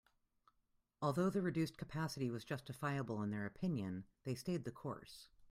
Although the reduced capacity was justifiable in their opinion, they stayed the course.